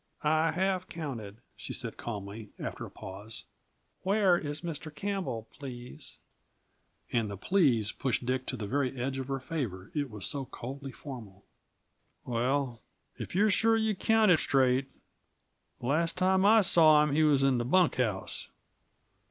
"I have counted," she said calmly after a pause. "Where is Mr. Campbell, please?" and the "please" pushed Dick to the very edge of her favor, it was so coldly formal. "Well, if you're sure you counted straight, the last time I saw him he was in the bunk house."